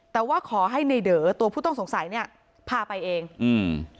แต่ว่าขอให้ในเด๋อตัวผู้ต้องสงสัยเนี้ยพาไปเองอืม